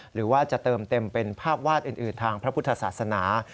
หรือว่าจะเติมเต็มเป็นภาพวาดอื่นทางพระพุทธศาสนา